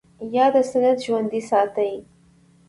ياد سنت ژوندی ساتي